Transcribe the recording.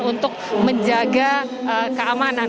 untuk menjaga keamanan